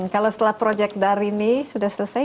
kalau setelah project dari ini sudah selesai